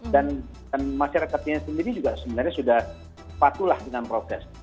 dan masyarakatnya sendiri juga sebenarnya sudah patuh lah dengan proses